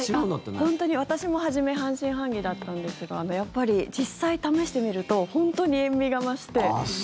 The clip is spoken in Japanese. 本当に私も初め半信半疑だったんですがやっぱり実際試してみると本当に塩味が増して。